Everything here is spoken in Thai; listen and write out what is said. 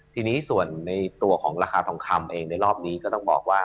ทีนี้ส่วนในตัวของราคาทองคำเองในรอบนี้ก็ต้องบอกว่า